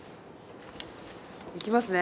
いきますね。